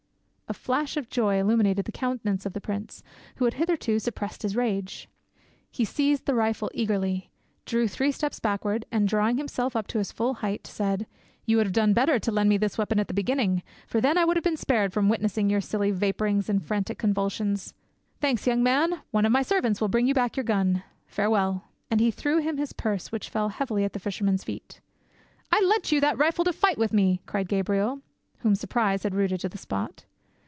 A flash of joy illuminated the countenance of the prince, who had hitherto suppressed his rage. He seized the rifle eagerly, drew three steps backward, and drawing himself up to his full height, said, "You would have done better to lend me this weapon at the beginning; for then I would have been spared from witnessing your silly vapourings and frantic convulsions. Thanks, young man; one of my servants will bring you back your gun. Farewell." And he threw him his purse, which fell heavily at the fisherman's feet. "I lent you that rifle to fight with me," cried Gabriel, whom surprise had rooted to the spot.